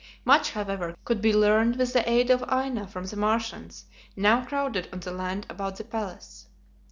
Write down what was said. Much, however, could be learned with the aid of Aina from the Martians, now crowded on the land about the palace.